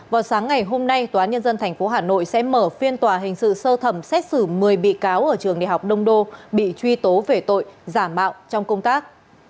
vào sáng ngày hôm nay tòa nhân dân tp hà nội sẽ mở phiên tòa hình sự sơ thẩm xét xử một mươi bị cáo ở trường đại học đông đô bị truy tố về tội giả mạo trong công tác